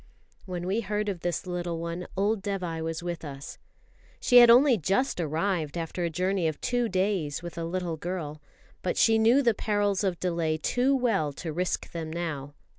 When we heard of this little one, old Dévai was with us. She had only just arrived after a journey of two days with a little girl, but she knew the perils of delay too well to risk them now.